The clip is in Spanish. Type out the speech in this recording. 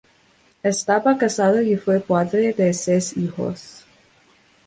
Estaba casado y fue padre de seis hijos.